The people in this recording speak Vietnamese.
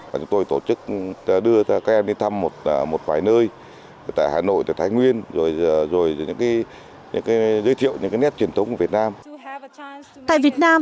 và chúng tôi tổ chức đưa các em đi thăm một vài nơi tại hà nội thái nguyên rồi giới thiệu những nét truyền thống của việt nam